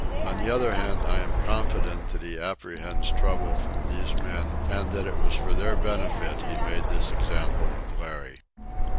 On the other hand, I am confident that he apprehends trouble from these men, and that it was for their benefit he made this example of Larry.